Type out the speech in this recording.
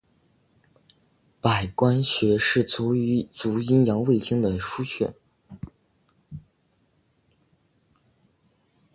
髀关穴是属于足阳明胃经的腧穴。